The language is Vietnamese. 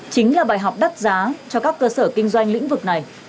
chính là bài học đắt giá cho các cơ sở kinh doanh lĩnh vực này